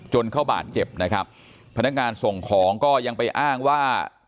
เข้าบาดเจ็บนะครับพนักงานส่งของก็ยังไปอ้างว่า